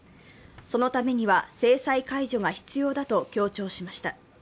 そのために制裁解除が必要だと強調しました。